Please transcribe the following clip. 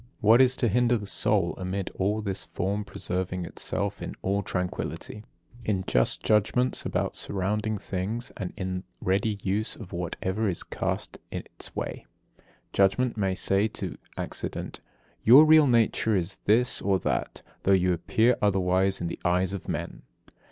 What is to hinder the soul amid all this from preserving itself in all tranquillity, in just judgments about surrounding things, and in ready use of whatever is cast in its way? Judgment may say to accident: "Your real nature is this or that, though you appear otherwise in the eyes of men."